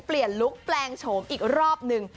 เปลี่ยนลุคแปลงโฉมอีกรอบนึง